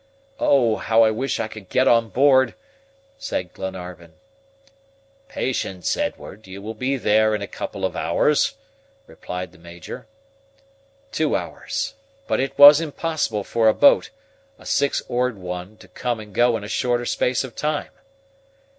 "Oh, how I wish I could get on board!" said Glenarvan. "Patience, Edward! you will be there in a couple of hours," replied the Major. Two hours! But it was impossible for a boat a six oared one to come and go in a shorter space of time.